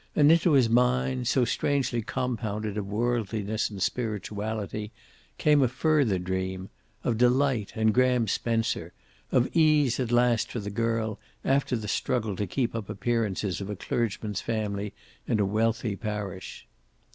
And into his mind, so strangely compounded of worldliness and spirituality, came a further dream of Delight and Graham Spencer of ease at last for the girl after the struggle to keep up appearances of a clergyman's family in a wealthy parish.